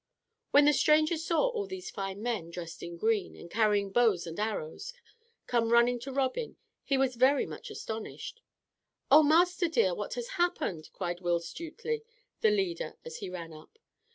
When the stranger saw all these fine men, dressed in green, and carrying bows and arrows, come running to Robin he was very much astonished. "O master dear, what has happened?" cried Will Stutely, the leader, as he ran up.